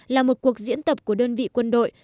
là một cuộc diễn tập của đơn vị quân đội